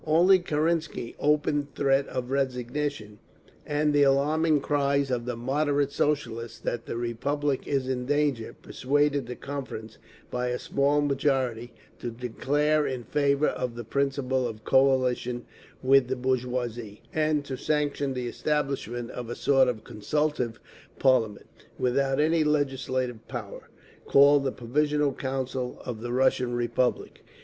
_ Only Kerensky's open threat of resignation, and the alarming cries of the "moderate" Socialists that "the Republic is in danger" persuaded the Conference, by a small majority, to declare in favour of the principle of coalition with the bourgeoisie, and to sanction the establishment of a sort of consultative Parliament, without any legislative power, called the Provisional Council of the Russian Republic.